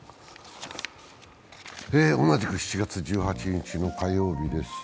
同じく７月１８日の火曜日です。